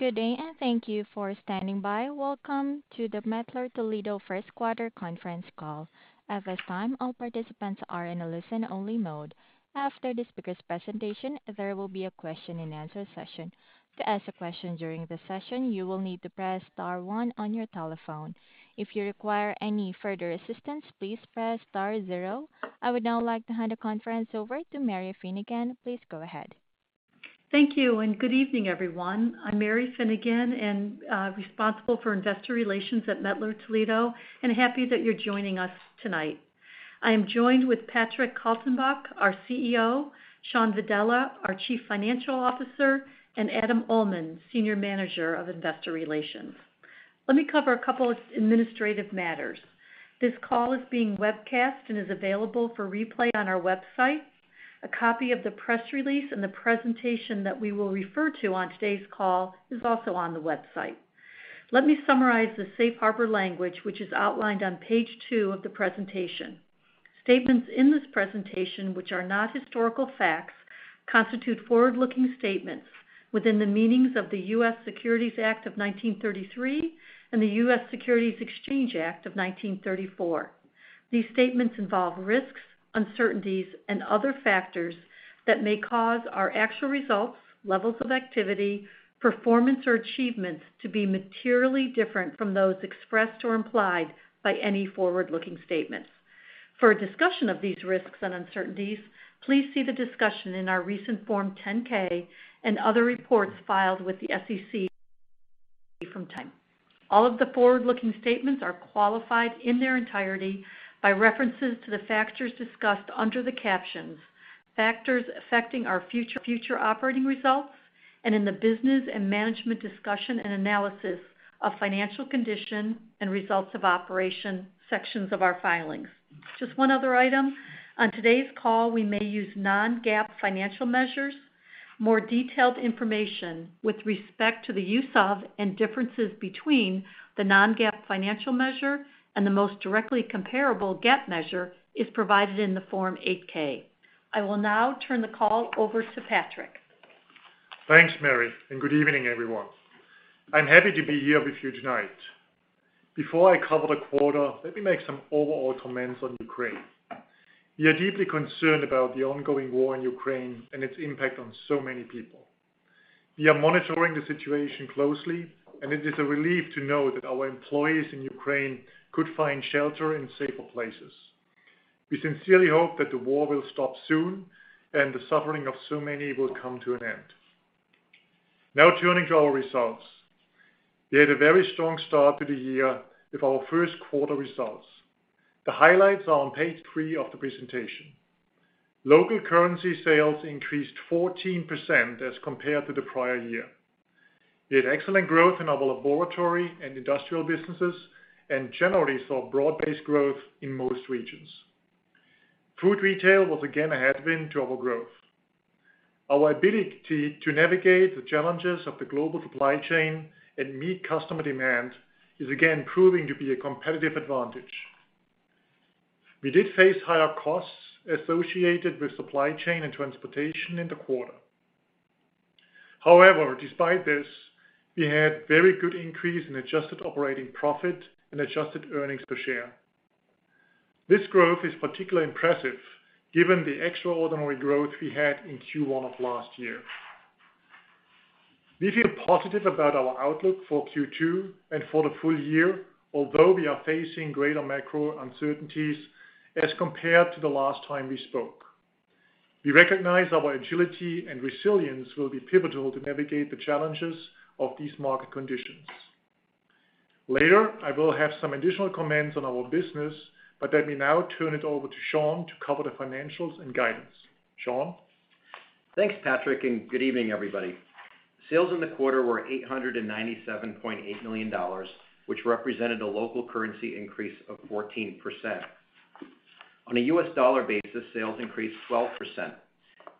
Good day, and thank you for standing by. Welcome to the Mettler-Toledo First Quarter Conference Call. At this time, all participants are in a listen-only mode. After the speaker's presentation, there will be a question-and-answer session. To ask a question during the session, you will need to press star one on your telephone. If you require any further assistance, please press star zero. I would now like to hand the conference over to Mary Finnegan. Please go ahead. Thank you, and good evening, everyone. I'm Mary Finnegan and responsible for investor relations at Mettler-Toledo and happy that you're joining us tonight. I am joined with Patrick Kaltenbach, our CEO, Shawn Vadala, our Chief Financial Officer, and Adam Uhlman, Senior Manager of Investor Relations. Let me cover a couple of administrative matters. This call is being webcast and is available for replay on our website. A copy of the press release and the presentation that we will refer to on today's call is also on the website. Let me summarize the safe harbor language, which is outlined on page two of the presentation. Statements in this presentation which are not historical facts constitute forward-looking statements within the meanings of the U.S. Securities Act of 1933 and the U.S. Securities Exchange Act of 1934. These statements involve risks, uncertainties, and other factors that may cause our actual results, levels of activity, performance, or achievements to be materially different from those expressed or implied by any forward-looking statements. For a discussion of these risks and uncertainties, please see the discussion in our recent Form 10-K and other reports filed with the SEC from time to time. All of the forward-looking statements are qualified in their entirety by references to the factors discussed under the captions, "Factors Affecting Our Future Operating Results," and in the "Business and Management Discussion and Analysis of Financial Condition and Results of Operations" sections of our filings. Just one other item. On today's call, we may use non-GAAP financial measures. More detailed information with respect to the use of and differences between the non-GAAP financial measure and the most directly comparable GAAP measure is provided in the Form 8-K. I will now turn the call over to Patrick. Thanks, Mary, and good evening, everyone. I'm happy to be here with you tonight. Before I cover the quarter, let me make some overall comments on Ukraine. We are deeply concerned about the ongoing war in Ukraine and its impact on so many people. We are monitoring the situation closely, and it is a relief to know that our employees in Ukraine could find shelter in safer places. We sincerely hope that the war will stop soon and the suffering of so many will come to an end. Now turning to our results. We had a very strong start to the year with our first quarter results. The highlights are on page three of the presentation. Local currency sales increased 14% as compared to the prior year. We had excellent growth in our laboratory and industrial businesses and generally saw broad-based growth in most regions. Food Retail was again a headwind to our growth. Our ability to navigate the challenges of the global supply chain and meet customer demand is again proving to be a competitive advantage. We did face higher costs associated with supply chain and transportation in the quarter. However, despite this, we had very good increase in adjusted operating profit and adjusted earnings per share. This growth is particularly impressive given the extraordinary growth we had in Q1 of last year. We feel positive about our outlook for Q2 and for the full year, although we are facing greater macro uncertainties as compared to the last time we spoke. We recognize our agility and resilience will be pivotal to navigate the challenges of these market conditions. Later, I will have some additional comments on our business, but let me now turn it over to Shawn to cover the financials and guidance. Shawn? Thanks, Patrick, and good evening, everybody. Sales in the quarter were $897.8 million, which represented a local currency increase of 14%. On a US dollar basis, sales increased 12%.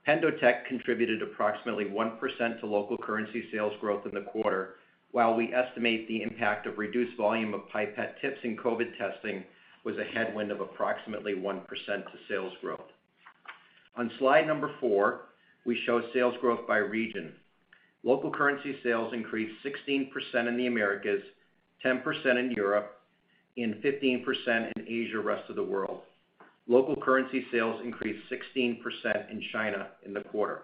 PendoTECH contributed approximately 1% to local currency sales growth in the quarter, while we estimate the impact of reduced volume of pipette tips in COVID testing was a headwind of approximately 1% to sales growth. On slide four, we show sales growth by region. Local currency sales increased 16% in the Americas, 10% in Europe, and 15% in Asia, rest of the world. Local currency sales increased 16% in China in the quarter.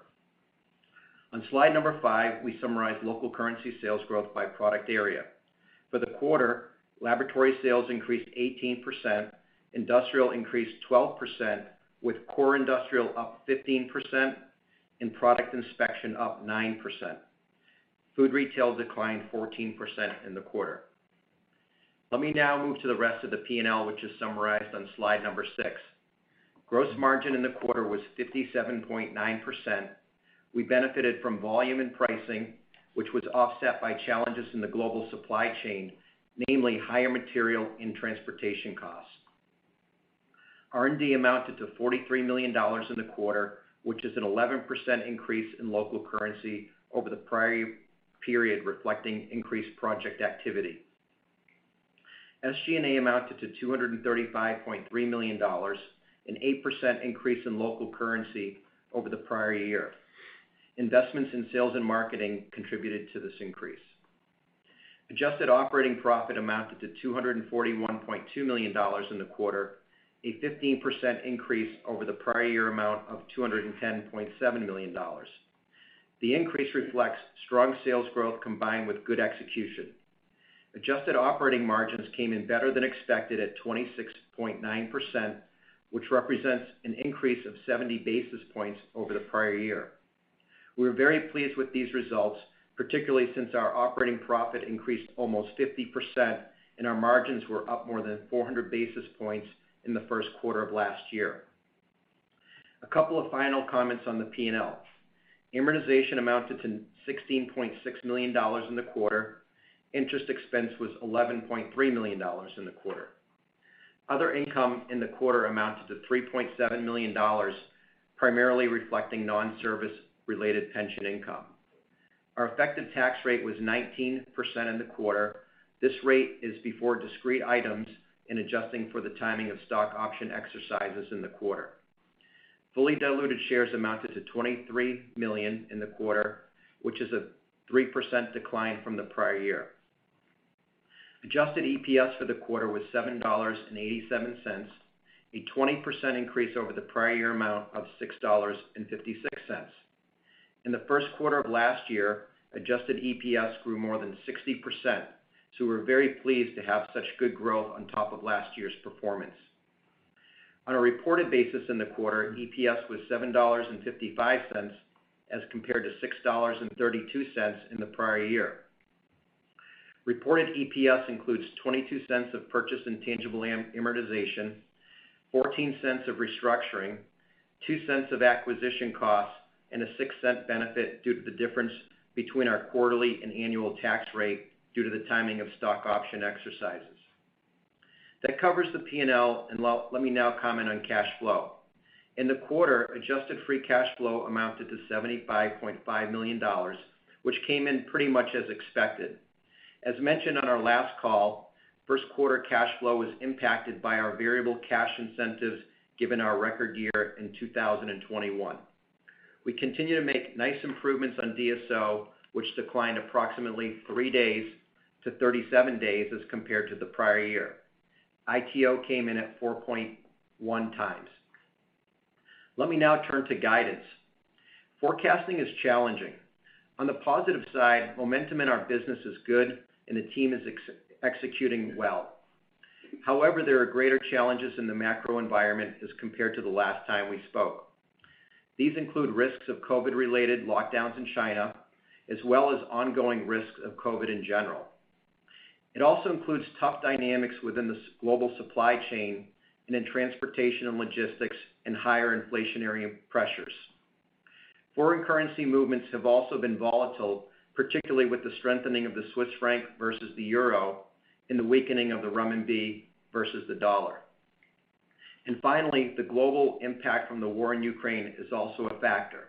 On slide five, we summarize local currency sales growth by product area. For the quarter, Laboratory sales increased 18%, Industrial increased 12%, with Core Industrial up 15% and Product Inspection up 9%. Food Retail declined 14% in the quarter. Let me now move to the rest of the P&L, which is summarized on slide 6. Gross margin in the quarter was 57.9%. We benefited from volume and pricing, which was offset by challenges in the global supply chain, namely higher material and transportation costs. R&D amounted to $43 million in the quarter, which is an 11% increase in local currency over the prior period, reflecting increased project activity. SG&A amounted to $235.3 million, an 8% increase in local currency over the prior year. Investments in sales and marketing contributed to this increase. Adjusted operating profit amounted to $241.2 million in the quarter, a 15% increase over the prior year amount of $210.7 million. The increase reflects strong sales growth combined with good execution. Adjusted operating margins came in better than expected at 26.9%, which represents an increase of 70 basis points over the prior year. We're very pleased with these results, particularly since our operating profit increased almost 50% and our margins were up more than 400 basis points in the first quarter of last year. A couple of final comments on the P&L. Amortization amounted to $60.6 million in the quarter. Interest expense was $11.3 million in the quarter. Other income in the quarter amounted to $3.7 million, primarily reflecting non-service related pension income. Our effective tax rate was 19% in the quarter. This rate is before discrete items and adjusting for the timing of stock option exercises in the quarter. Fully diluted shares amounted to 23 million in the quarter, which is a 3% decline from the prior year. Adjusted EPS for the quarter was $7.87, a 20% increase over the prior year amount of $6.56. In the first quarter of last year, adjusted EPS grew more than 60%, so we're very pleased to have such good growth on top of last year's performance. On a reported basis in the quarter, EPS was $7.55 as compared to $6.32 in the prior year. Reported EPS includes $0.22 of purchase intangible amortization, $0.14 of restructuring, $0.02 of acquisition costs, and a $0.06 benefit due to the difference between our quarterly and annual tax rate due to the timing of stock option exercises. That covers the P&L, and let me now comment on cash flow. In the quarter, adjusted free cash flow amounted to $75.5 million, which came in pretty much as expected. As mentioned on our last call, first quarter cash flow was impacted by our variable cash incentives given our record year in 2021. We continue to make nice improvements on DSO, which declined approximately three days to 37 days as compared to the prior year. ITO came in at 4.1x. Let me now turn to guidance. Forecasting is challenging. On the positive side, momentum in our business is good and the team is executing well. However, there are greater challenges in the macro environment as compared to the last time we spoke. These include risks of COVID-related lockdowns in China, as well as ongoing risks of COVID in general. It also includes tough dynamics within the global supply chain and in transportation and logistics and higher inflationary pressures. Foreign currency movements have also been volatile, particularly with the strengthening of the Swiss franc versus the euro and the weakening of the renminbi versus the dollar. Finally, the global impact from the war in Ukraine is also a factor.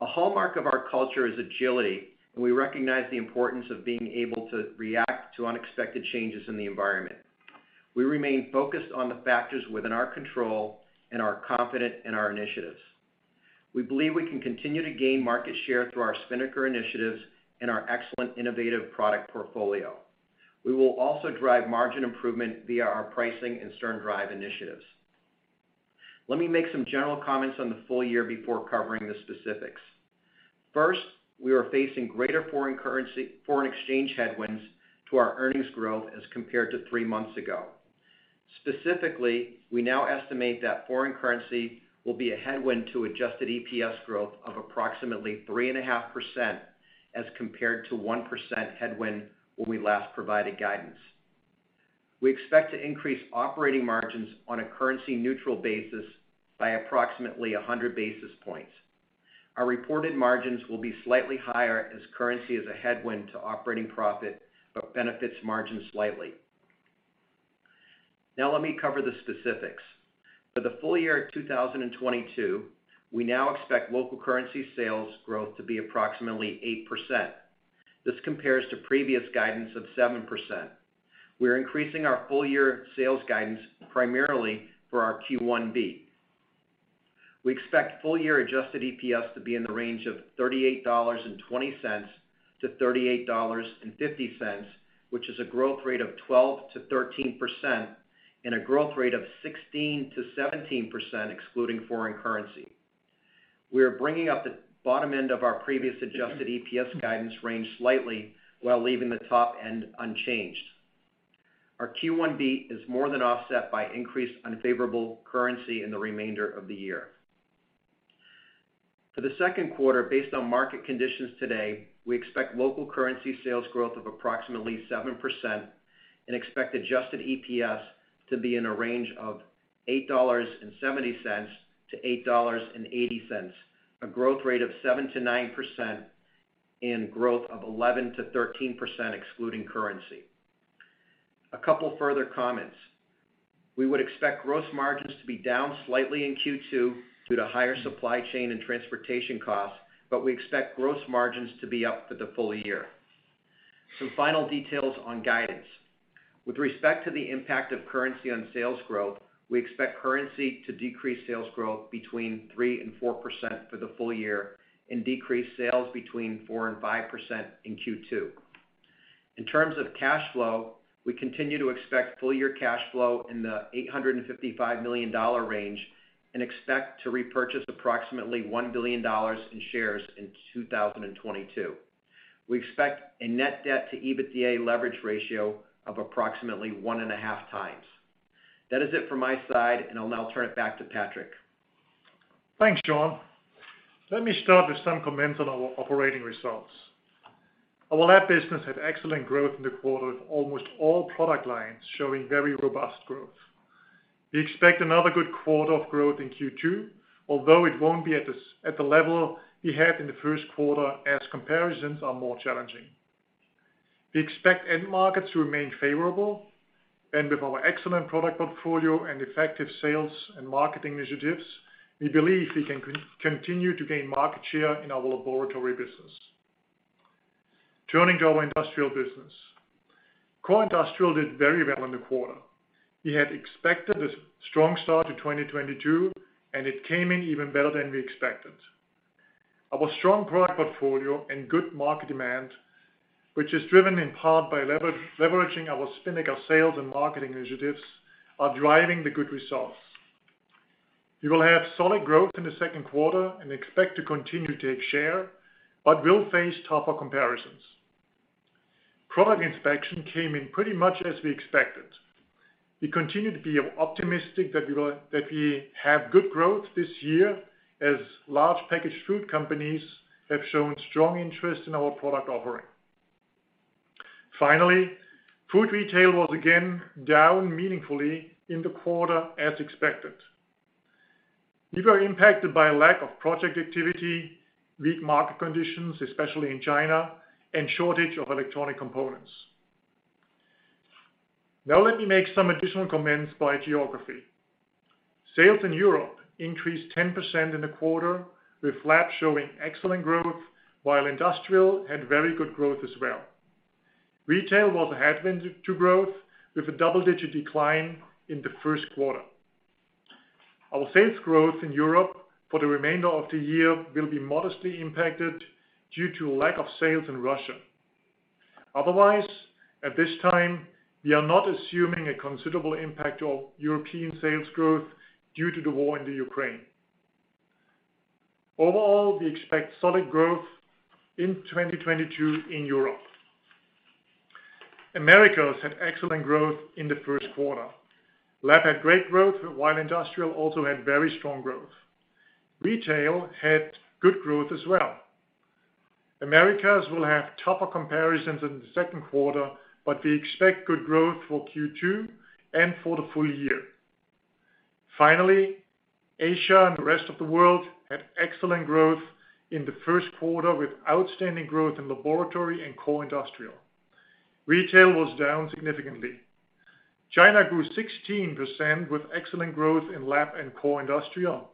A hallmark of our culture is agility, and we recognize the importance of being able to react to unexpected changes in the environment. We remain focused on the factors within our control and are confident in our initiatives. We believe we can continue to gain market share through our Spinnaker initiatives and our excellent innovative product portfolio. We will also drive margin improvement via our pricing and SternDrive initiatives. Let me make some general comments on the full year before covering the specifics. First, we are facing greater foreign exchange headwinds to our earnings growth as compared to three months ago. Specifically, we now estimate that foreign currency will be a headwind to adjusted EPS growth of approximately 3.5% as compared to 1% headwind when we last provided guidance. We expect to increase operating margins on a currency neutral basis by approximately 100 basis points. Our reported margins will be slightly higher as currency is a headwind to operating profit, but benefits margin slightly. Now let me cover the specifics. For the full year 2022, we now expect local currency sales growth to be approximately 8%. This compares to previous guidance of 7%. We are increasing our full year sales guidance primarily for our Q1 beat. We expect full year adjusted EPS to be in the range of $38.20 to $38.50, which is a growth rate of 12%-13% and a growth rate of 16%-17% excluding foreign currency. We are bringing up the bottom end of our previous adjusted EPS guidance range slightly while leaving the top end unchanged. Our Q1 beat is more than offset by increased unfavorable currency in the remainder of the year. For the second quarter, based on market conditions today, we expect local currency sales growth of approximately 7% and expect adjusted EPS to be in a range of $8.70-$8.80, a growth rate of 7%-9% and growth of 11%-13% excluding currency. A couple further comments. We would expect gross margins to be down slightly in Q2 due to higher supply chain and transportation costs, but we expect gross margins to be up for the full year. Some final details on guidance. With respect to the impact of currency on sales growth, we expect currency to decrease sales growth between 3%-4% for the full year and decrease sales between 4%-5% in Q2. In terms of cash flow, we continue to expect full year cash flow in the $855 million range and expect to repurchase approximately $1 billion in shares in 2022. We expect a net debt to EBITDA leverage ratio of approximately 1.5x. That is it for my side, and I'll now turn it back to Patrick. Thanks Shawn. Let me start with some comments on our operating results. Our lab business had excellent growth in the quarter, with almost all product lines showing very robust growth. We expect another good quarter of growth in Q2, although it won't be at the level we had in the first quarter as comparisons are more challenging. We expect end markets to remain favorable, and with our excellent product portfolio and effective sales and marketing initiatives, we believe we can continue to gain market share in our laboratory business. Turning to our industrial business. Core industrial did very well in the quarter. We had expected a strong start to 2022, and it came in even better than we expected. Our strong product portfolio and good market demand, which is driven in part by leveraging our Spinnaker sales and marketing initiatives, are driving the good results. We will have solid growth in the second quarter and expect to continue to take share, but will face tougher comparisons. Product Inspection came in pretty much as we expected. We continue to be optimistic that we have good growth this year, as large packaged food companies have shown strong interest in our product offering. Finally, Food Retail was again down meaningfully in the quarter as expected. We were impacted by a lack of project activity, weak market conditions, especially in China, and shortage of electronic components. Now let me make some additional comments by geography. Sales in Europe increased 10% in the quarter, with Lab showing excellent growth, while Industrial had very good growth as well. Retail was a headwind to growth with a double-digit decline in the first quarter. Our sales growth in Europe for the remainder of the year will be modestly impacted due to lack of sales in Russia. Otherwise, at this time, we are not assuming a considerable impact to our European sales growth due to the war in the Ukraine. Overall, we expect solid growth in 2022 in Europe. Americas had excellent growth in the first quarter. Lab had great growth, while industrial also had very strong growth. Retail had good growth as well. Americas will have tougher comparisons in the second quarter, but we expect good growth for Q2 and for the full year. Finally, Asia and the rest of the world had excellent growth in the first quarter with outstanding growth in laboratory and core industrial. Retail was down significantly. China grew 16% with excellent growth in lab and core industrial.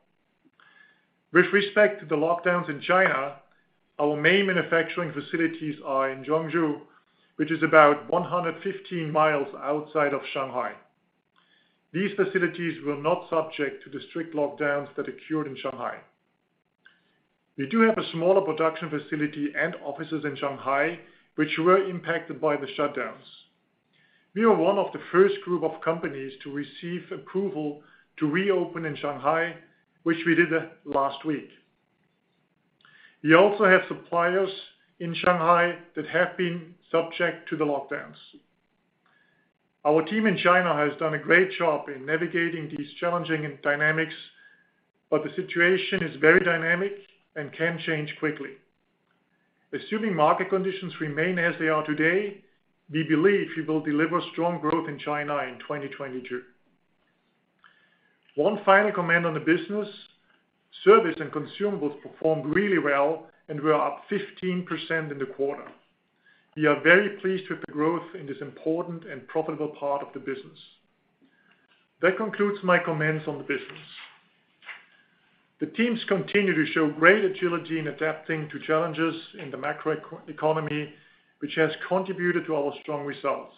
With respect to the lockdowns in China, our main manufacturing facilities are in Changzhou, which is about 115 miles outside of Shanghai. These facilities were not subject to the strict lockdowns that occurred in Shanghai. We do have a smaller production facility and offices in Shanghai, which were impacted by the shutdowns. We were one of the first group of companies to receive approval to reopen in Shanghai, which we did last week. We also have suppliers in Shanghai that have been subject to the lockdowns. Our team in China has done a great job in navigating these challenging dynamics, but the situation is very dynamic and can change quickly. Assuming market conditions remain as they are today, we believe we will deliver strong growth in China in 2022. One final comment on the business. Service and consumables performed really well, and we are up 15% in the quarter. We are very pleased with the growth in this important and profitable part of the business. That concludes my comments on the business. The teams continue to show great agility in adapting to challenges in the macro economy, which has contributed to our strong results.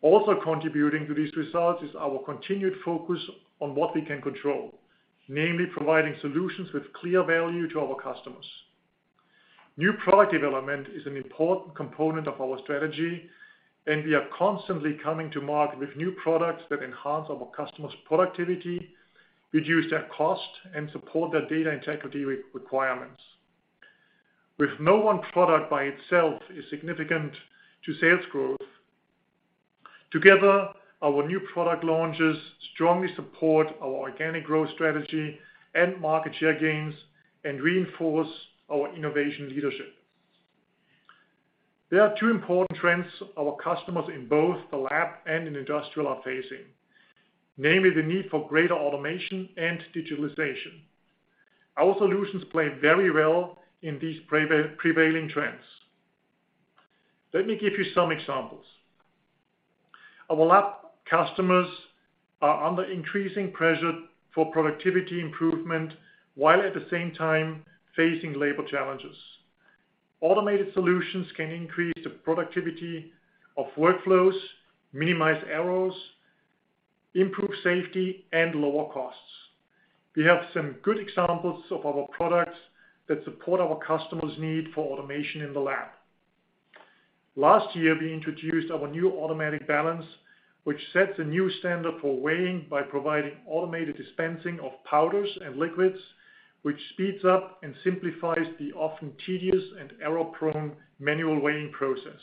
Also contributing to these results is our continued focus on what we can control, namely providing solutions with clear value to our customers. New product development is an important component of our strategy, and we are constantly coming to market with new products that enhance our customers' productivity, reduce their cost, and support their data integrity requirements. With no one product by itself is significant to sales growth. Together, our new product launches strongly support our organic growth strategy and market share gains and reinforce our innovation leadership. There are two important trends our customers in both the lab and in industrial are facing, namely the need for greater automation and digitalization. Our solutions play very well in these prevailing trends. Let me give you some examples. Our lab customers are under increasing pressure for productivity improvement, while at the same time facing labor challenges. Automated solutions can increase the productivity of workflows, minimize errors, improve safety, and lower costs. We have some good examples of our products that support our customers' need for automation in the lab. Last year, we introduced our new automatic balance, which sets a new standard for weighing by providing automated dispensing of powders and liquids, which speeds up and simplifies the often tedious and error-prone manual weighing process.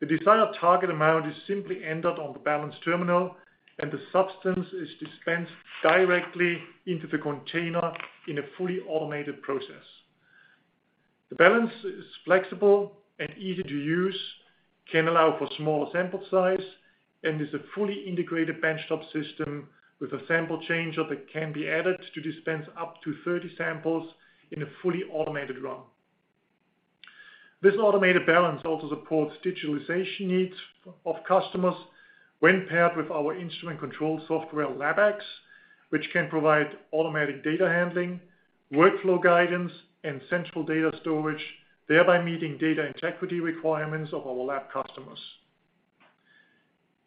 The desired target amount is simply entered on the balance terminal, and the substance is dispensed directly into the container in a fully automated process. The balance is flexible and easy to use, can allow for smaller sample size, and is a fully integrated benchtop system with a sample changer that can be added to dispense up to 30 samples in a fully automated run. This automated balance also supports digitalization needs of customers when paired with our instrument control software, LabX, which can provide automatic data handling, workflow guidance, and central data storage, thereby meeting data integrity requirements of our lab customers.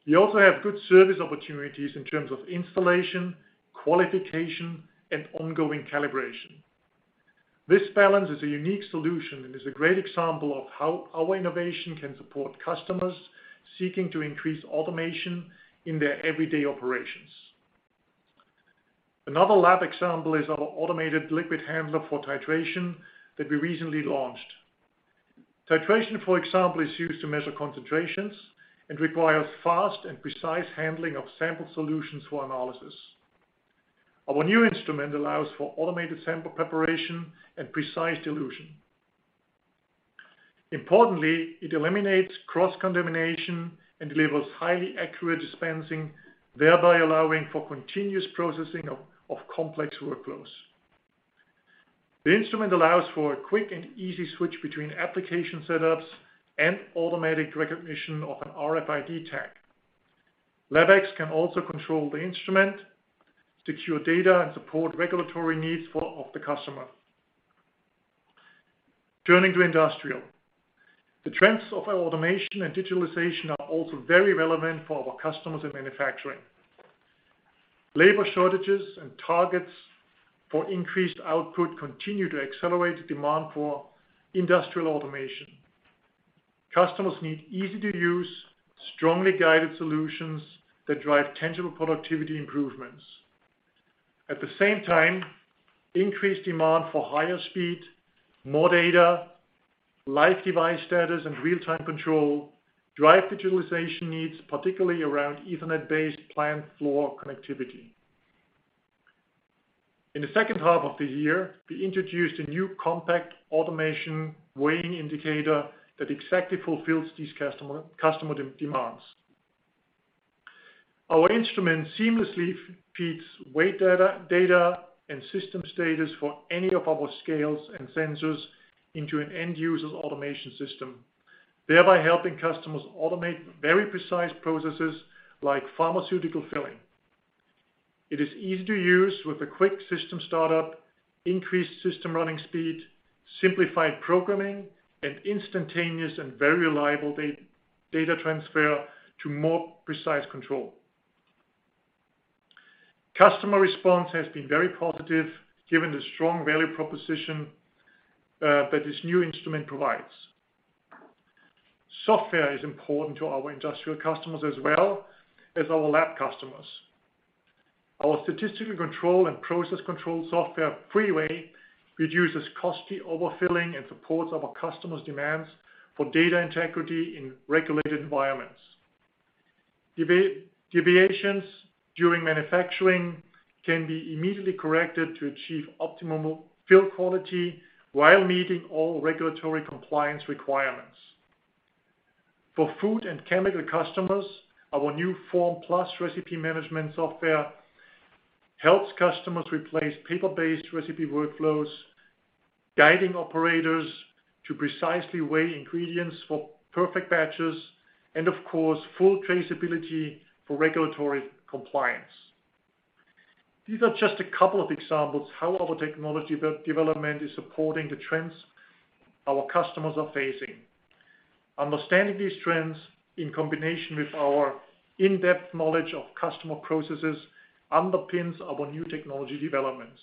We also have good service opportunities in terms of installation, qualification, and ongoing calibration. This balance is a unique solution and is a great example of how our innovation can support customers seeking to increase automation in their everyday operations. Another lab example is our automated liquid handler for titration that we recently launched. Titration, for example, is used to measure concentrations and requires fast and precise handling of sample solutions for analysis. Our new instrument allows for automated sample preparation and precise dilution. Importantly, it eliminates cross-contamination and delivers highly accurate dispensing, thereby allowing for continuous processing of complex workflows. The instrument allows for a quick and easy switch between application setups and automatic recognition of an RFID tag. LabX can also control the instrument, secure data, and support regulatory needs for the customer. Turning to industrial. The trends of automation and digitalization are also very relevant for our customers in manufacturing. Labor shortages and targets for increased output continue to accelerate the demand for industrial automation. Customers need easy-to-use, strongly guided solutions that drive tangible productivity improvements. At the same time, increased demand for higher speed, more data, live device status, and real-time control drive digitalization needs, particularly around Ethernet-based plant floor connectivity. In the second half of the year, we introduced a new compact automation weighing indicator that exactly fulfills these customer demands. Our instrument seamlessly feeds weight data and system status for any of our scales and sensors into an end user's automation system, thereby helping customers automate very precise processes like pharmaceutical filling. It is easy to use with a quick system startup, increased system running speed, simplified programming, and instantaneous and very reliable data transfer to more precise control. Customer response has been very positive given the strong value proposition that this new instrument provides. Software is important to our industrial customers as well as our lab customers. Our statistical control and process control software, FreeWeigh.Net, reduces costly overfilling and supports our customers' demands for data integrity in regulated environments. Deviations during manufacturing can be immediately corrected to achieve optimal fill quality while meeting all regulatory compliance requirements. For food and chemical customers, our new FormWeigh.Net recipe management software helps customers replace paper-based recipe workflows, guiding operators to precisely weigh ingredients for perfect batches, and of course, full traceability for regulatory compliance. These are just a couple of examples how our technology development is supporting the trends our customers are facing. Understanding these trends in combination with our in-depth knowledge of customer processes underpins our new technology developments.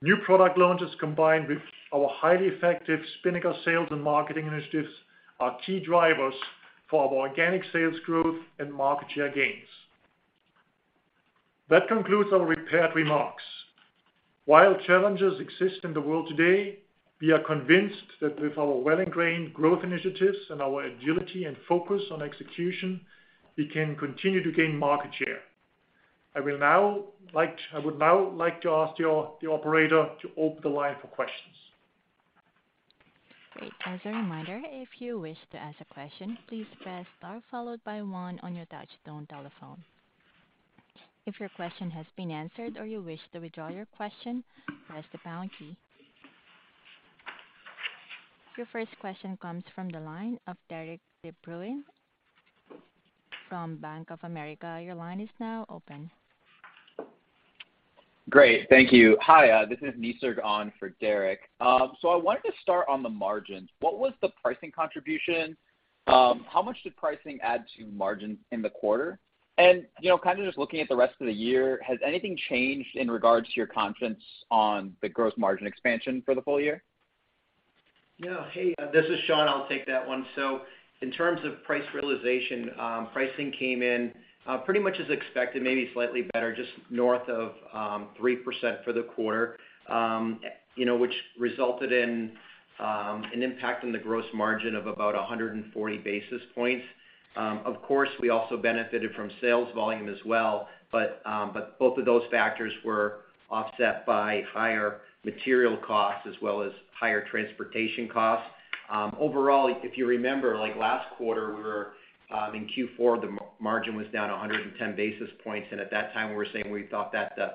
New product launches combined with our highly effective Spinnaker sales and marketing initiatives are key drivers for our organic sales growth and market share gains. That concludes our prepared remarks. While challenges exist in the world today, we are convinced that with our well-ingrained growth initiatives and our agility and focus on execution, we can continue to gain market share. I would now like to ask the operator to open the line for questions. Great. As a reminder, if you wish to ask a question, please press star followed by one on your touch tone telephone. If your question has been answered or you wish to withdraw your question, press the pound key. Your first question comes from the line of Derik de Bruin from Bank of America. Your line is now open. Great. Thank you. Hi, this is [Nisarg] on for Derik. So I wanted to start on the margins. What was the pricing contribution? How much did pricing add to margins in the quarter? You know, kind of just looking at the rest of the year, has anything changed in regards to your confidence on the gross margin expansion for the full year? This is Shawn. I'll take that one. So in terms of price realization, pricing came in pretty much as expected, maybe slightly better, just north of 3% for the quarter, you know, which resulted in an impact on the gross margin of about 140 basis points. Of course, we also benefited from sales volume as well, but both of those factors were offset by higher material costs as well as higher transportation costs. Overall, if you remember, last quarter, we were in Q4, the margin was down 110 basis points, and at that time, we were saying we thought that the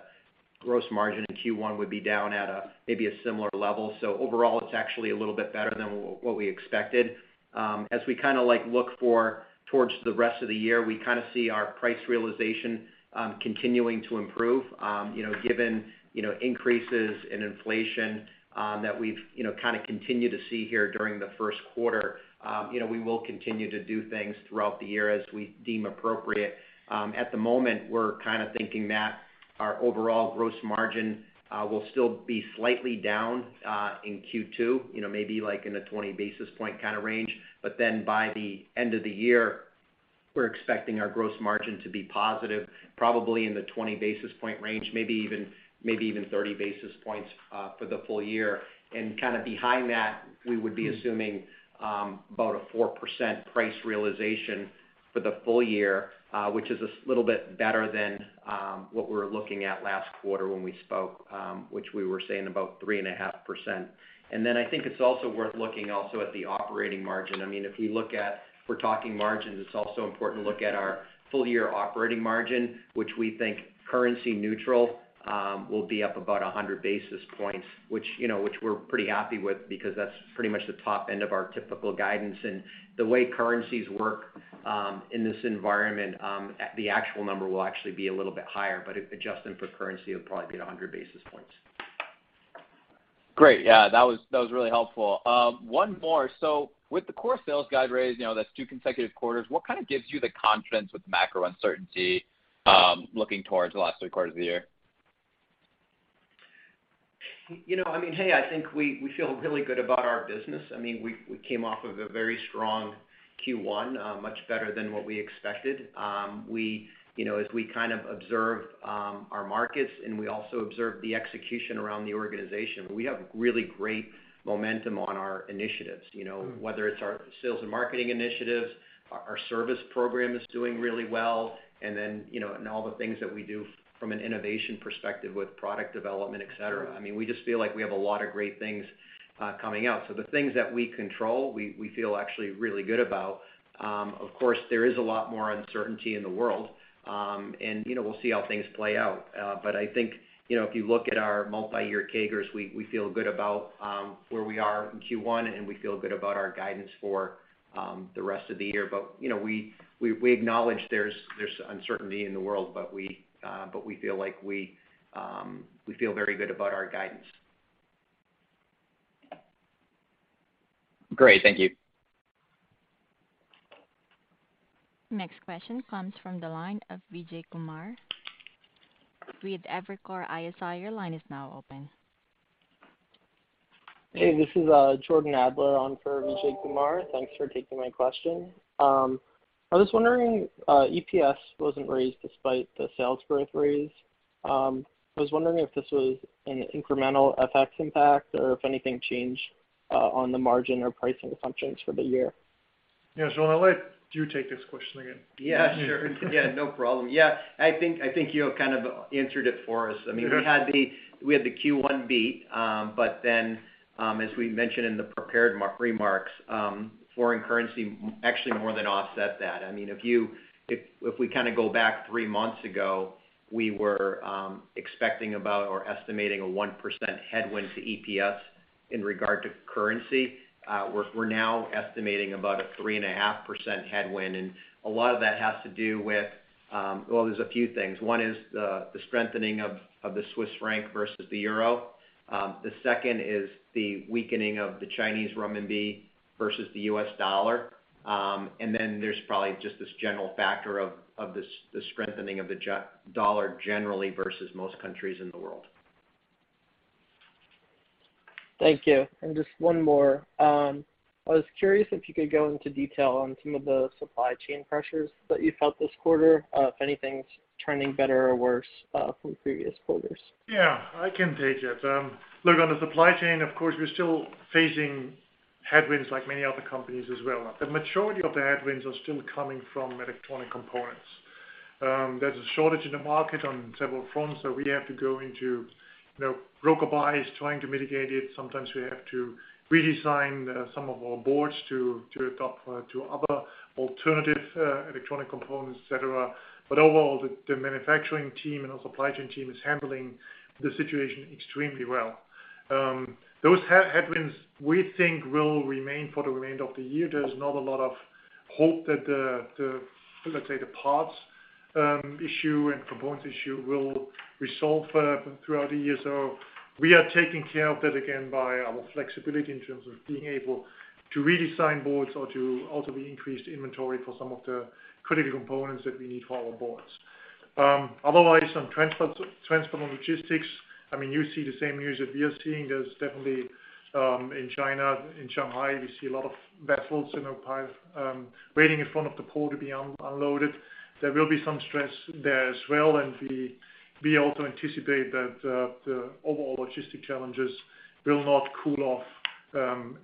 gross margin in Q1 would be down at maybe a similar level. Overall, it's actually a little bit better than what we expected. As we kinda, like, look towards the rest of the year, we kinda see our price realization continuing to improve given increases in inflation, that we've kinda continued to see here during the first quarter. You know, we will continue to do things throughout the year as we deem appropriate. At the moment, we're kinda thinking that our overall gross margin will still be slightly down in Q2, you know, maybe like in a 20 basis points kinda range. But then by the end of the year, we're expecting our gross margin to be positive, probably in the 20 basis points range, maybe even 30 basis points for the full year. Kinda behind that, we would be assuming about a 4% price realization for the full year, which is a little bit better than what we were looking at last quarter when we spoke, which we were saying about 3.5%. Then I think it's also worth looking at the operating margin. I mean, we're talking margins, it's also important to look at our full-year operating margin, which we think currency neutral will be up about 100 basis points, which we're pretty happy with because that's pretty much the top end of our typical guidance. The way currencies work in this environment, the actual number will actually be a little bit higher, but adjusting for currency, it'll probably be the 100 basis points. Great. That was really helpful. One more. With the core sales guide raised, you know, that's two consecutive quarters, what kinda gives you the confidence with macro uncertainty looking towards the last three quarters of the year? We feel really good about our business, we came off of a very strong Q1, much better than what we expected. We, you know, as we kind of observe our markets and we also observe the execution around the organization, we have really great momentum on our initiatives, you know, whether it's our sales and marketing initiatives, our service program is doing really well, and then all the things that we do from an innovation perspective with product development, et cetera. We just feel like we have a lot of great things coming out. The things that we control, we feel actually really good about. Of course, there is a lot more uncertainty in the world, and we'll see how things play out. If you look at our multi-year CAGRs, we feel good about where we are in Q1, and we feel good about our guidance for the rest of the year. We acknowledge there's uncertainty in the world, but we feel like, we feel very good about our guidance. Great. Thank you. Next question comes from the line of Vijay Kumar with Evercore ISI. Your line is now open. Hey, this is Jordan Adler on for Vijay Kumar. Thanks for taking my question. I was wondering EPS wasn't raised despite the sales growth raise. I was wondering if this was an incremental FX impact or if anything changed on the margin or pricing assumptions for the year. Shawn, I'll let you take this question again. Sure. No problem. I think you kind of answered it for us. I mean, we had the Q1 beat, but then, as we mentioned in the prepared remarks, foreign currency actually more than offset that. I mean, if we kinda go back three months ago, we were expecting about or estimating a 1% headwind to EPS in regard to currency. We're now estimating about a 3.5% headwind, and a lot of that has to do with. Well, there's a few things. One is the strengthening of the Swiss franc versus the euro. The second is the weakening of the Chinese renminbi versus the U.S. dollar. There's probably just this general factor of the strengthening of the U.S. dollar generally versus most countries in the world. Thank you. Just one more. I was curious if you could go into detail on some of the supply chain pressures that you felt this quarter, if anything's turning better or worse, from previous quarters. Yeah, I can take it. Look, on the supply chain, of course, we're still facing Headwinds like many other companies as well. The majority of the headwinds are still coming from electronic components. There's a shortage in the market on several fronts, so we have to go into, you know, broker buys trying to mitigate it. Sometimes we have to redesign some of our boards to adopt other alternative electronic components, et cetera. Overall, the manufacturing team and our supply chain team is handling the situation extremely well. Those headwinds, we think will remain for the remainder of the year. There's not a lot of hope that the, let's say, the parts issue and components issue will resolve throughout the year. We are taking care of that again by our flexibility in terms of being able to redesign boards or to ultimately increase the inventory for some of the critical components that we need for our boards. Otherwise on transport and logistics, I mean, you see the same news that we are seeing. There's definitely, in China, in Shanghai, we see a lot of vessels, you know, waiting in front of the port to be unloaded. There will be some stress there as well, and we also anticipate that the overall logistic challenges will not cool off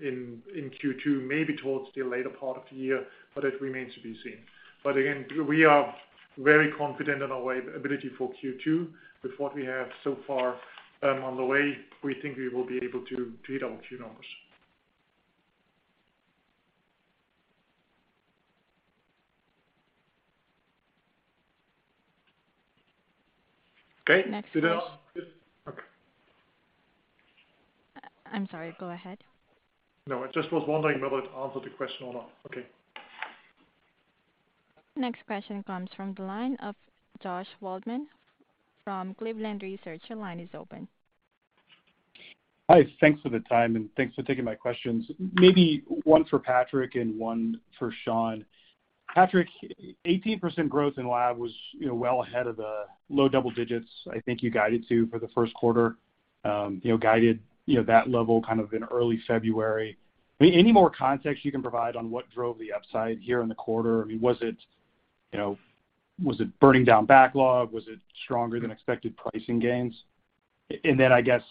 in Q2, maybe towards the later part of the year, but it remains to be seen. Again, we are very confident in our ability for Q2 with what we have so far on the way. We think we will be able to beat our Q numbers. Okay. Next question. Okay. I'm sorry. Go ahead. No, I just was wondering whether it answered the question or not. Okay. Next question comes from the line of Josh Waldman from Cleveland Research. Your line is open. Hi. Thanks for the time, and thanks for taking my questions. Maybe one for Patrick and one for Shawn. Patrick, 18% growth in Lab was well ahead of the low double digits I think you guided to for the first quarter. You know, guided that level kind of in early February. I mean, any more context you can provide on what drove the upside here in the quarter? I mean, was it, you know, burning down backlog? Was it stronger than expected pricing gains? I guess,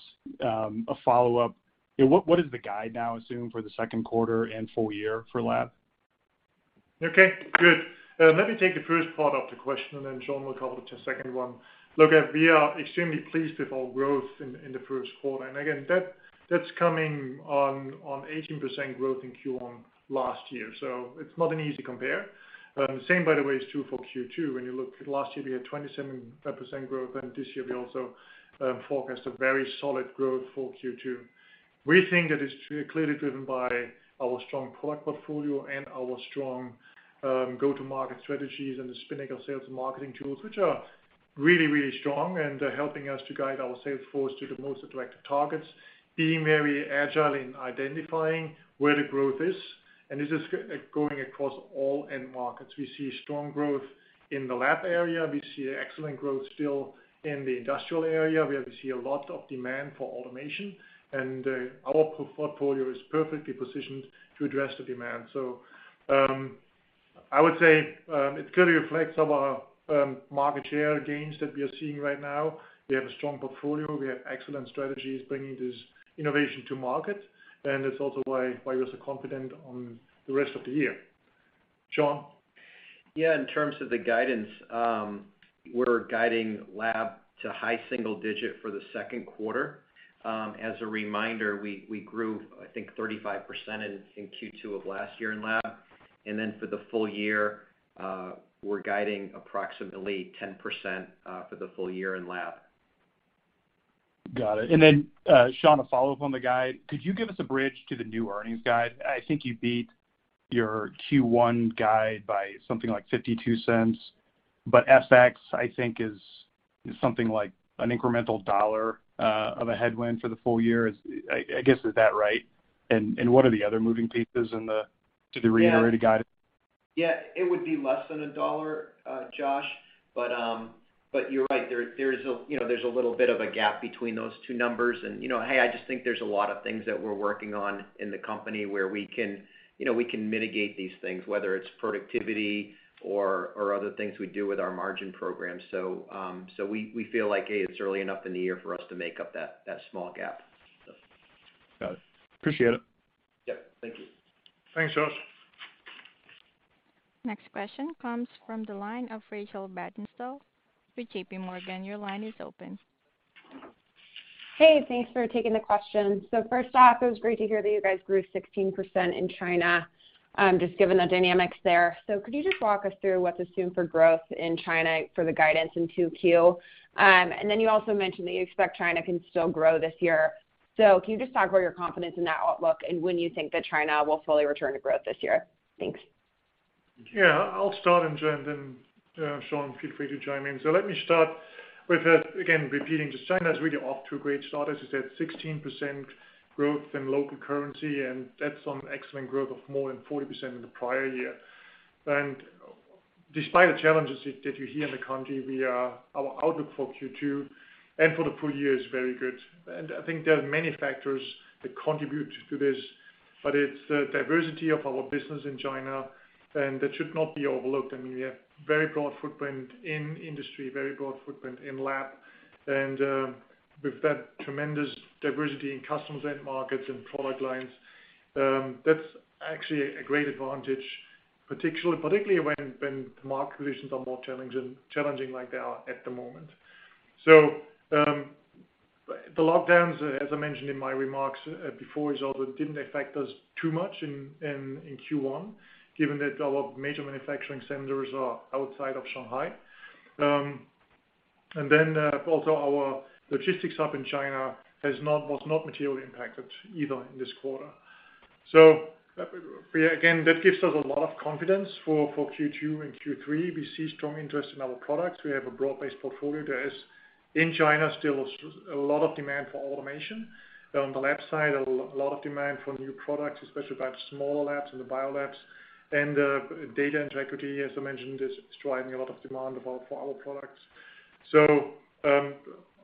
a follow-up. What is the guide now assumes for the second quarter and full year for Lab? Okay, good. Let me take the first part of the question, and then Shawn will cover the second one. Look, we are extremely pleased with our growth in the first quarter. Again, that's coming on 18% growth in Q1 last year. It's not an easy compare. The same, by the way, is true for Q2. When you look at last year, we had 27% growth, and this year we also forecast a very solid growth for Q2. We think that it's clearly driven by our strong product portfolio and our strong go-to-market strategies and the Spinnaker sales and marketing tools, which are really, really strong and helping us to guide our sales force to the most attractive targets, being very agile in identifying where the growth is. This is going across all end markets. We see strong growth in the lab area. We see excellent growth still in the industrial area, where we see a lot of demand for automation, and our portfolio is perfectly positioned to address the demand. I would say it clearly reflects our market share gains that we are seeing right now. We have a strong portfolio. We have excellent strategies bringing this innovation to market, and it's also why we're so confident on the rest of the year. Shawn? Yeah. In terms of the guidance, we're guiding lab to high single digit for the second quarter. As a reminder, we grew, I think, 35% in Q2 of last year in lab. Then for the full year, we're guiding approximately 10% for the full year in lab. Got it. Shawn, a follow-up on the guide. Could you give us a bridge to the new earnings guide? I think you beat your Q1 guide by something like $0.52. FX, I think, is something like an incremental $1 of a headwind for the full year. I guess, is that right? And what are the other moving pieces in the to the reiterated guide? Yeah. It would be less than $1, Josh. But you're right. There is a little bit of a gap between those two numbers. I just think there's a lot of things that we're working on in the company where we can mitigate these things, whether it's productivity or other things we do with our margin program. We feel like it's early enough in the year for us to make up that small gap. So. Got it. Appreciate it. Yep. Thank you. Thanks, Josh. Next question comes from the line of Rachel Vatnsdal with J.P. Morgan. Your line is open. Hey, thanks for taking the question. First off, it was great to hear that you guys grew 16% in China, just given the dynamics there. Could you just walk us through what's assumed for growth in China for the guidance in 2Q? Then you also mentioned that you expect China can still grow this year. Can you just talk about your confidence in that outlook and when you think that China will fully return to growth this year? Thanks. Yeah. I'll start and then Shawn, feel free to chime in. Let me start with again repeating just China is really off to a great start. As I said, 16% growth in local currency, and that's on excellent growth of more than 40% in the prior year. Despite the challenges that you hear in the country, our outlook for Q2 and for the full year is very good. I think there are many factors that contribute to this, but it's the diversity of our business in China, and that should not be overlooked. We have very broad footprint in industry, very broad footprint in lab. With that tremendous diversity in customers, end markets, and product lines, that's actually a great advantage. Particularly when the market conditions are more challenging like they are at the moment. The lockdowns, as I mentioned in my remarks before, is also didn't affect us too much in Q1, given that our major manufacturing centers are outside of Shanghai. Also our logistics hub in China was not materially impacted either in this quarter. Again, that gives us a lot of confidence for Q2 and Q3. We see strong interest in our products. We have a broad-based portfolio. There is in China still a lot of demand for automation. On the lab side, a lot of demand for new products, especially by smaller labs and the bio labs. Data integrity, as I mentioned, is driving a lot of demand for our products.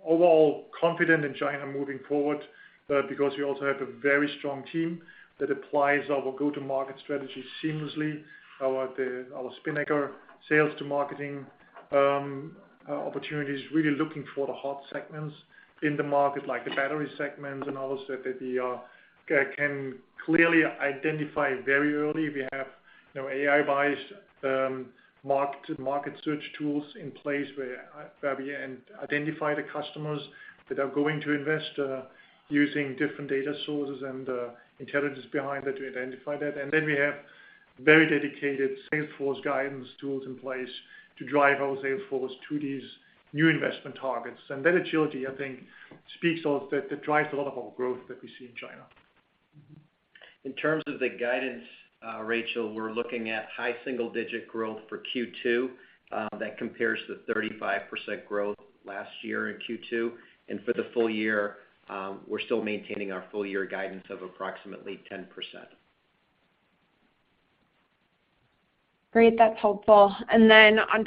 Overall confident in China moving forward, because we also have a very strong team that applies our go-to-market strategy seamlessly. Our Spinnaker sales to marketing opportunities, really looking for the hot segments in the market, like the battery segments and others that we can clearly identify very early. We have AI-based market search tools in place where we identify the customers that are going to invest, using different data sources and the intelligence behind that to identify that. Then we have very dedicated sales force guidance tools in place to drive our sales force to these new investment targets. That agility, I think, speaks of that drives a lot of our growth that we see in China. In terms of the guidance, Rachel, we're looking at high single-digit growth for Q2. That compares to 35% growth last year in Q2. For the full year, we're stillaintaining our full year guidance of approximately 10%. Great, that's helpful. On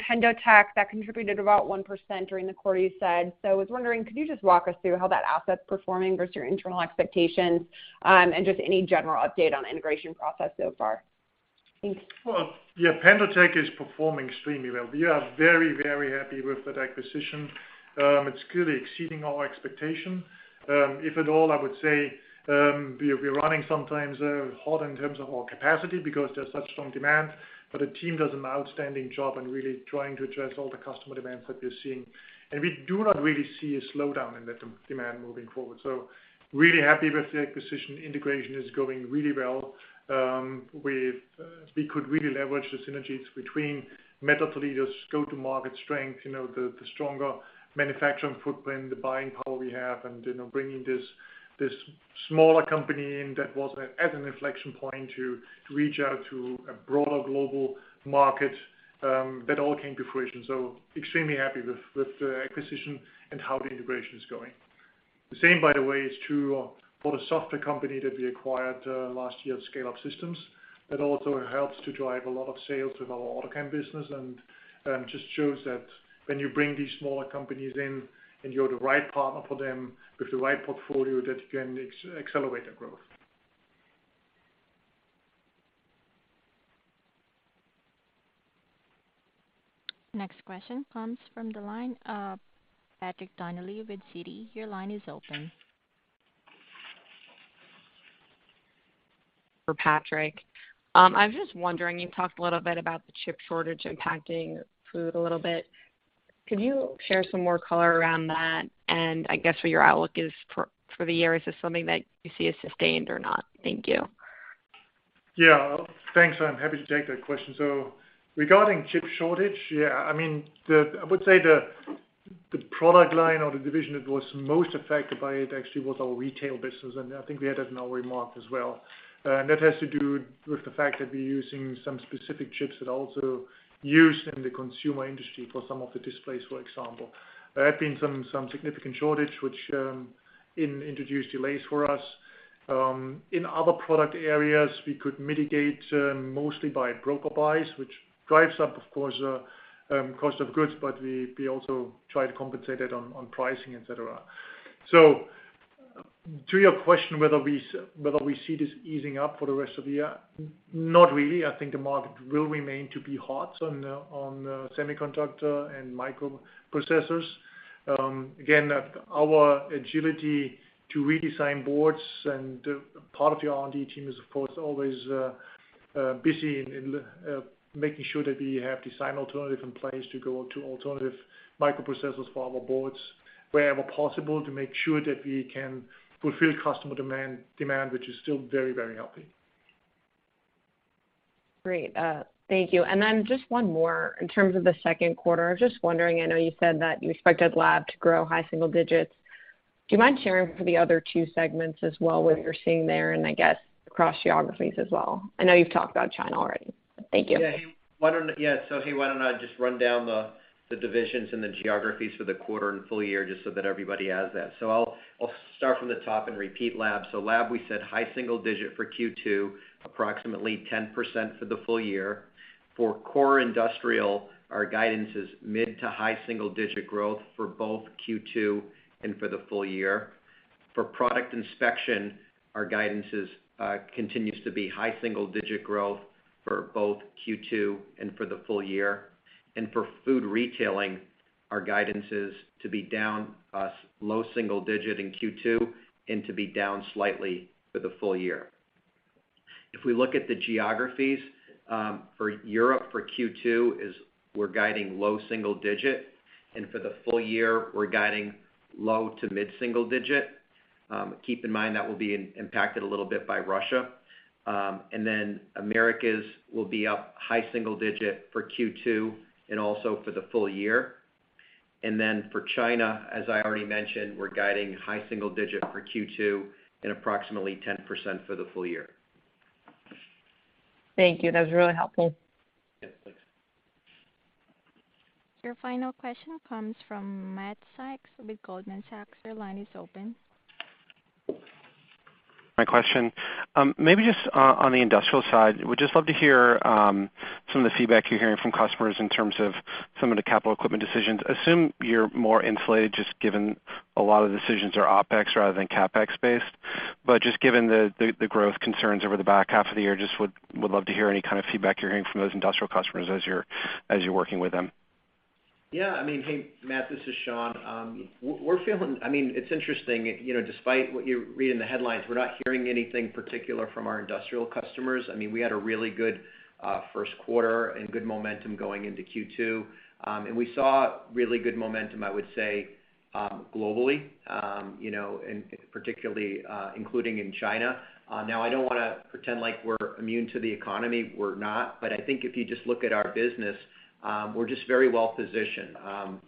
PendoTECH, that contributed about 1% during the quarter, you said. I was wondering, could you just walk us through how that asset's performing versus your internal expectations, and just any general update on integration process so far? Thanks. Yeah, PendoTECH is performing extremely well. We are very, very happy with that acquisition. It's clearly exceeding our expectation. If at all, I would say, we're running sometimes hot in terms of our capacity because there's such strong demand. The team does an outstanding job in really trying to address all the customer demands that we're seeing. We do not really see a slowdown in that demand moving forward. Really happy with the acquisition. Integration is going really well. We could really leverage the synergies between Mettler-Toledo's go-to-market strength, you know, the stronger manufacturing footprint, the buying power we have, and, you know, bringing this smaller company in that was at an inflection point to reach out to a broader global market, that all came to fruition. Extremely happy with the acquisition and how the integration is going. The same, by the way, is true for the software company that we acquired last year, Scale-up Systems. That also helps to drive a lot of sales with our AutoChem business and just shows that when you bring these smaller companies in, and you're the right partner for them with the right portfolio, that you can accelerate their growth. Next question comes from the line of Patrick Donnelly with Citi. Your line is open. For Patrick. I was just wondering, you talked a little bit about the chip shortage impacting food a little bit. Could you share some more color around that and I guess what your outlook is for the year? Is this something that you see as sustained or not? Thank you. Yeah. Thanks. I'm happy to take that question. Regarding chip shortage, the product line or the division that was most affected by it actually was our retail business, and I think we had it in our remark as well. That has to do with the fact that we're using some specific chips that are also used in the consumer industry for some of the displays, for example. There have been some significant shortage which introduced delays for us. In other product areas, we could mitigate, mostly by broker buys, which drives up, of course, cost of goods, but we also try to compensate it on pricing, et cetera. To your question whether we see this easing up for the rest of the year, not really. I think the market will remain to be hot on semiconductor and microprocessors. Again, our agility to redesign boards and part of our R&D team is, of course, always busy in making sure that we have design alternative in place to go to alternative microprocessors for our boards wherever possible to make sure that we can fulfill customer demand, which is still very, very healthy. Great. Thank you. Just one more. In terms of the second quarter, I was just wondering, I know you said that you expected lab to grow high single digits. Do you mind sharing for the other two segments as well, what you're seeing there and I guess across geographies as well? I know you've talked about China already. Thank you. Hey, why don't I just run down the divisions and the geographies for the quarter and full year just so that everybody has that? I'll start from the top and the Lab. Lab, we said high single digit for Q2, approximately 10% for the full year. For Core Industrial, our guidance is mid to high single digit growth for both Q2 and the full year. For Product Inspection, our guidance continues to be high single digit growth for both Q2 and the full year. For Food Retail, our guidance is to be down low single digit in Q2 and to be down slightly for the full year. If we look at the geographies, for Europe, for Q2, we're guiding low single digit, and for the full year, we're guiding low to mid-single digit. Keep in mind that will be impacted a little bit by Russia. Americas will be up high single digit for Q2 and also for the full year. For China, as I already mentioned, we're guiding high single digit for Q2 and approximately 10% for the full year. Thank you. That was really helpful. Yes, please. Your final question comes from Matthew Sykes with Goldman Sachs. Your line is open. My question, maybe just on the industrial side, would just love to hear some of the feedback you're hearing from customers in terms of some of the capital equipment decisions. Assume you're more insulated just given a lot of decisions are OpEx rather than CapEx-based. Just given the growth concerns over the back half of the year, just would love to hear any kind of feedback you're hearing from those industrial customers as you're working with them. Yeah, I mean, Hey, Matt, this is Shawn. I mean, it's interesting. You know, despite what you read in the headlines, we're not hearing anything particular from our industrial customers. I mean, we had a really good first quarter and good momentum going into Q2. And we saw really good momentum, I would say, globally, you know, and particularly, including in China. Now, I don't wanna pretend like we're immune to the economy. We're not. I think if you just look at our business, we're just very well-positioned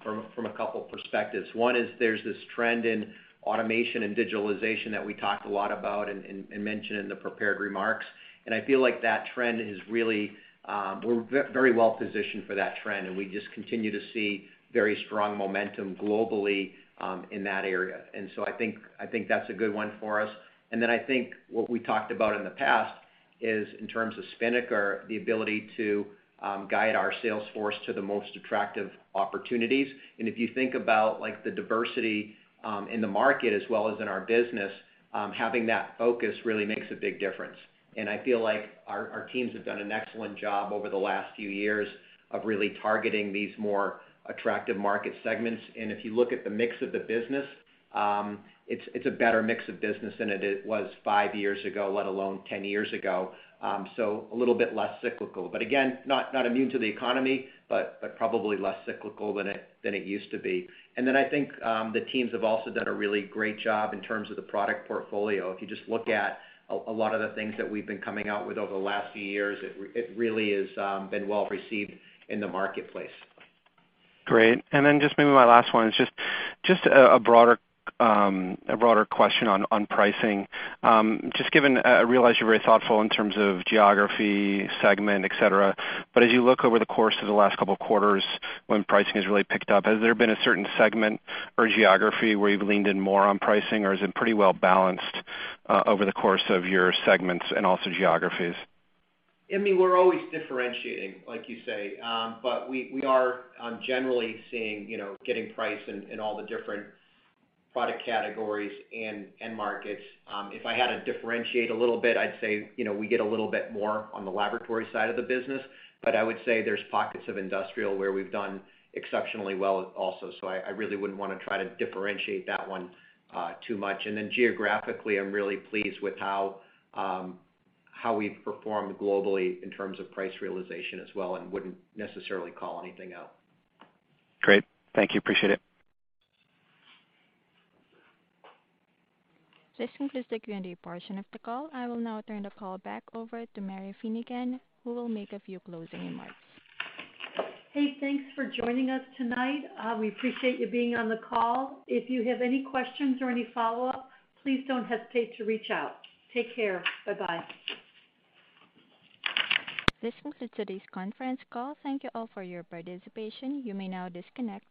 from a couple of perspectives. One is there's this trend in automation and digitalization that we talked a lot about and mentioned in the prepared remarks. I feel like we're very well positioned for that trend, and we just continue to see very strong momentum globally in that area. I think that's a good one for us. I think what we talked about in the past is in terms of Spinnaker, the ability to guide our sales force to the most attractive opportunities. If you think about, like, the diversity in the market as well as in our business, having that focus really makes a big difference. I feel like our teams have done an excellent job over the last few years of really targeting these more attractive market segments. If you look at the mix of the business, it's a better mix of business than it was five years ago, let alone 10 years ago, so a little bit less cyclical. Again, not immune to the economy, but probably less cyclical than it used to be. Then I think the teams have also done a really great job in terms of the product portfolio. If you just look at a lot of the things that we've been coming out with over the last few years, it really is been well-received in the marketplace. Great. Then just maybe my last one is just a broader question on pricing. Just given I realize you're very thoughtful in terms of geography, segment, et cetera. As you look over the course of the last couple of quarters when pricing has really picked up, has there been a certain segment or geography where you've leaned in more on pricing, or is it pretty well-balanced over the course of your segments and also geographies? We're always differentiating, like you say. We are generally seeing, you know, getting price in all the different product categories and markets. If I had to differentiate a little bit, I'd say, you know, we get a little bit more on the laboratory side of the business. I would say there's pockets of industrial where we've done exceptionally well also. I really wouldn't wanna try to differentiate that one too much. Geographically, I'm really pleased with how we've performed globally in terms of price realization as well, and wouldn't necessarily call anything out. Great. Thank you. Appreciate it. This concludes the Q&A portion of the call. I will now turn the call back over to Mary Finnegan, who will make a few closing remarks. Hey, thanks for joining us tonight. We appreciate you being on the call. If you have any questions or any follow-up, please don't hesitate to reach out. Take care. Bye-bye. This concludes today's conference call. Thank you all for your participation. You may now disconnect.